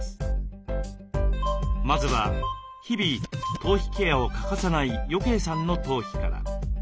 まずは日々頭皮ケアを欠かさない余慶さんの頭皮から。